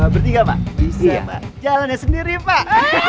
bertiga pak bisa mbak jalannya sendiri pak